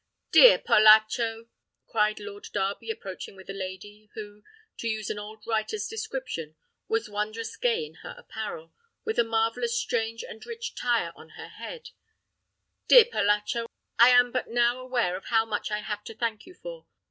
"Dear Polacco!" cried Lord Darby, approaching with a lady, who, to use an old writer's description, was wondrous gay in her apparel, with a marvellous strange and rich tire on her head: "dear Polacco, I am but now aware of how much I have to thank you for.